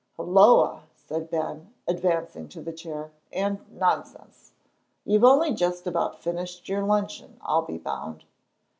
"Hulloa!" said Ben, advancing to the chair. "And nonsense! You've only just about finished your luncheon, I'll be bound."